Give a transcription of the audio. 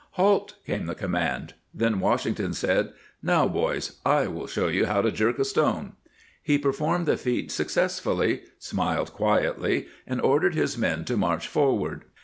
" Halt !" came the command. Then Wash ington said :" Now, boys, / will show you how to jerk a stone." He performed the feat success fully, smiled quietly, and ordered his men to march forward.